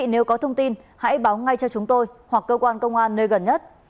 nếu có thông tin hãy báo ngay cho chúng tôi hoặc cơ quan công an nơi gần nhất